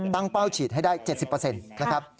เป้าฉีดให้ได้๗๐นะครับ